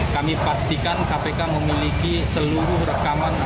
kami pastikan kpk memiliki seluruh rekaman